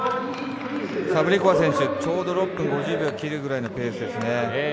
サブリコバー選手、ちょうど６分５０秒切るぐらいの選手ですね。